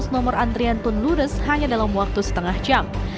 satu tiga ratus nomor antrian pun ludus hanya dalam waktu setengah jam